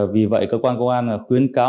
vì vậy cơ quan công an khuyến cáo